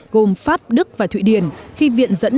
gồm pháp đức và thụy điển khi viện dẫn